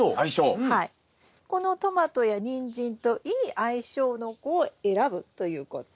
このトマトやニンジンといい相性の子を選ぶということ。